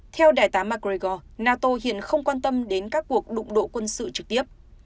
theo đại tá macroigo nato hiện không quan tâm đến các cuộc đụng độ quân sự trực tiếp